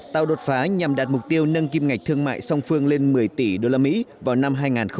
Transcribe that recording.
tạo đột phá nhằm đạt mục tiêu nâng kim ngạch thương mại song phương lên một mươi tỷ usd vào năm hai nghìn hai mươi